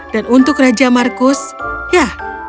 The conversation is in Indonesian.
dan untuk raja markus ya dia mengambil sepotong mangga